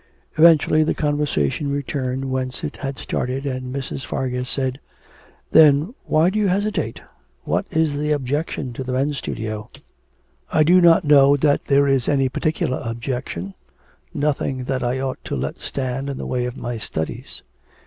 Eventually the conversation returned whence it had started, and Mrs. Fargus said: 'Then why do you hesitate? What is the objection to the men's studio?' 'I do not know that there is any particular objection, nothing that I ought to let stand in the way of my studies.